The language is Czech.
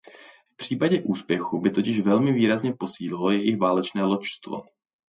V případě úspěchu by totiž velmi výrazně posílilo jejich válečné loďstvo.